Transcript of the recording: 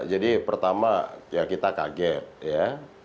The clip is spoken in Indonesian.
jadi pertama ya kita kaget ya